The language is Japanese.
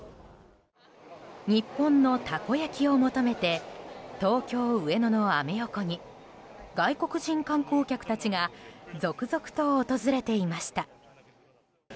日本のたこ焼きを求めて東京・上野のアメ横に外国人観光客たちが続々と訪れていました。